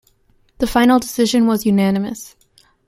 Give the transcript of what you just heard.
The final decision was unanimous.